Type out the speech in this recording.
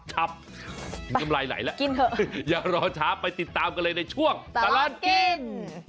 จำไรไหลละอย่ารอช้าไปติดตามกันเลยในช่วงตลอดกิน